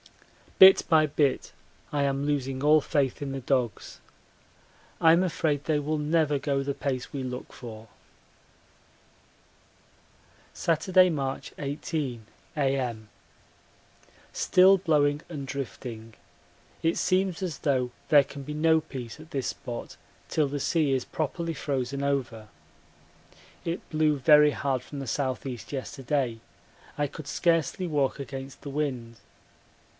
Bit by bit I am losing all faith in the dogs I'm afraid they will never go the pace we look for. Saturday, March 18, A.M. Still blowing and drifting. It seems as though there can be no peace at this spot till the sea is properly frozen over. It blew very hard from the S.E. yesterday I could scarcely walk against the wind.